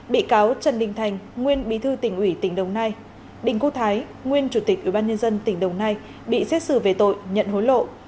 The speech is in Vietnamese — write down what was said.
bị cáo trần đinh thành nguyên bí thư tỉnh ủy tỉnh đồng nai đình cô thái nguyên chủ tịch ủy ban nhân dân tỉnh đồng nai bị xét xử về tội nhận hối lộ